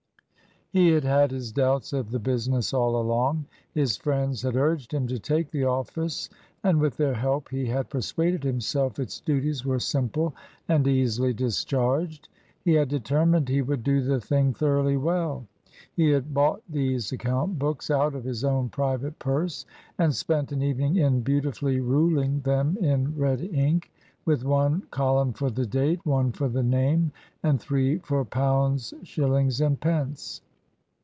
He had had his doubts of the business all along. His friends had urged him to take the office, and with their help he had persuaded himself its duties were simple and easily discharged. He had determined he would do the thing thoroughly well. He had bought these account books out of his own private purse, and spent an evening in beautifully ruling them in red ink, with one column for the date, one for the name, and three for pounds, shillings, and pence.